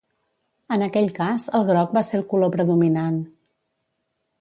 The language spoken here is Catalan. En aquell cas el groc va ser el color predominant